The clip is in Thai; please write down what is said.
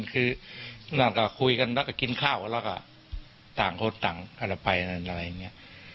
คือนั่นก็คุยกันแล้วก็กินข้าวแล้วก็ต่างคนต่างอะไรไปนั่นอะไรอย่างนี้